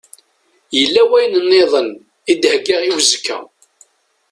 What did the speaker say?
Yella wayen-nniḍen i d-heggaɣ i uzekka.